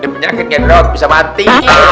penyakit yang dirawat bisa mati